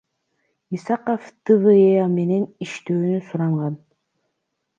Исаков ТВЕА менен иштөөнү суранган.